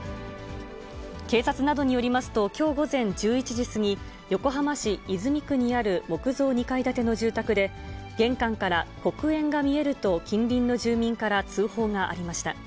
警察などによりますと、きょう午前１１時過ぎ、横浜市泉区にある木造２階建ての住宅で、玄関から黒煙が見えると、近隣の住民から通報がありました。